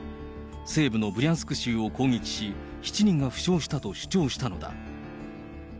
西部のブリャンスク州を攻撃し、７人が負傷したと主張したのだ。